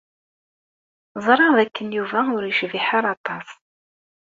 Ẓriɣ dakken Yuba ur yecbiḥ ara aṭas.